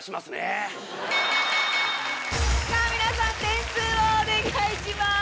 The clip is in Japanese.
皆さん点数をお願いします。